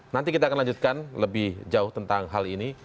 nanti kita akan lanjutkan lebih jauh tentang hal ini